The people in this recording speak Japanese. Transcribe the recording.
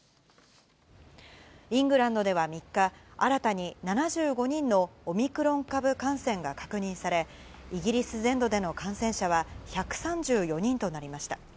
イングランドでは３日、新たに７５人のオミクロン株感染が確認され、イギリス全土での感染者は１３４人となりました。